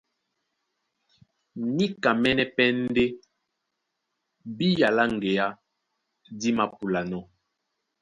Níkamɛ́nɛ́ pɛ́ ndé bía lá ŋgeá dí māpúlanɔ́.